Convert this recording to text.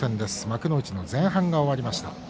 幕内前半、終わりました。